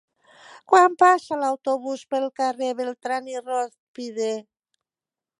Quan passa l'autobús pel carrer Beltrán i Rózpide?